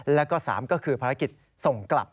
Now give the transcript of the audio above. แล้วก็๓ก็คือภารกิจส่งกลับ